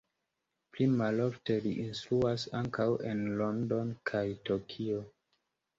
Pli malofte li instruas ankaŭ en Londono kaj Tokio.